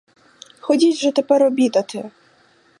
Ходіть же тепер обідати!